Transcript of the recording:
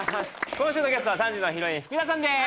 今週のゲストは３時のヒロイン福田さんです